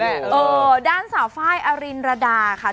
เออด้านสาวไฟล์อรินรดาค่ะ